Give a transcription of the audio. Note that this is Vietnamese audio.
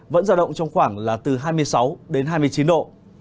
vẫn ra động trong khoảng là từ hai mươi sáu hai mươi chín độ